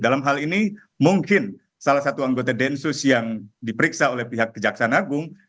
dalam hal ini mungkin salah satu anggota densus yang diperiksa oleh pihak kejaksaan agung